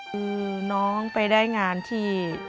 คือน้องไปได้งานที่